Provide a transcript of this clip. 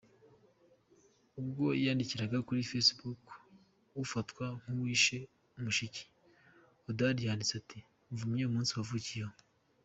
Ubwo yandikiraga kuri facebook ufatwa nk’uwishe mushiki, Hodari yanditse ati: “Mvumye umunsi wavukiyeho.